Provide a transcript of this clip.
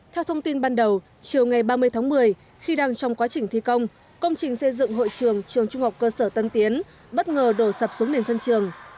theo thông tin ban đầu chiều ngày ba mươi tháng một mươi khi đang trong quá trình thi công công trình xây dựng hội trường trường trung học cơ sở tân tiến bất ngờ đổ sập xuống nền sân trường